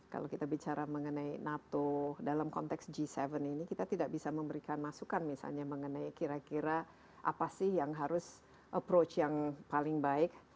kalau kita bicara mengenai nato dalam konteks g tujuh ini kita tidak bisa memberikan masukan misalnya mengenai kira kira apa sih yang harus approach yang paling baik